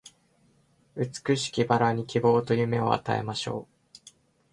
美しき薔薇に希望と夢を与えましょう